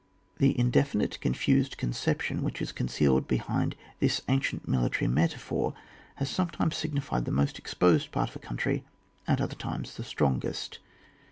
The indefinite conf\ised conception which is concealed behind this ancient military metaphor has sometimes signi fied the most exposed part of a country at other times the strongest.